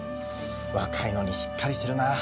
若いのにしっかりしてるなあ。